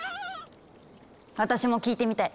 私も聴いてみたい。